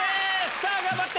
さぁ頑張って！